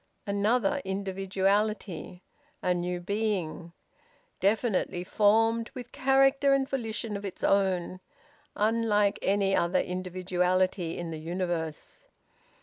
Another individuality; a new being; definitely formed, with character and volition of its own; unlike any other individuality in the universe!